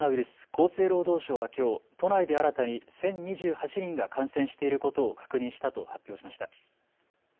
厚生労働省はきょう都内で新たに１０２８人が感染していることを確認したと発表しました。